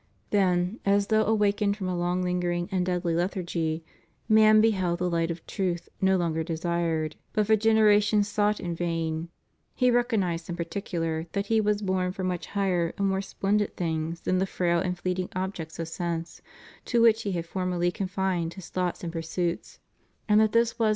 Then, as though awakened from a long lingering and deadly lethargy, man beheld the light of truth so long desired, but for generations sought in vain; he recognized, in particular, that he was bom for much higher and more splendid things than the frail and fleeting objects of sense, to which he had for merly confined his thoughts and pursuits, and that this was » 1 Peter i. 18, 19. » 1 Cor. vL 19, 20. ' Eph. L 9, 10. 466 CHRIST OUR REDEEMER.